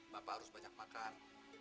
bapak harus banyak makan